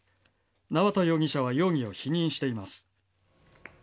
縄田容疑者は容疑を否認しています。